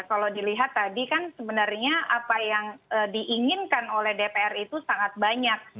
kalau dilihat tadi kan sebenarnya apa yang diinginkan oleh dpr itu sangat banyak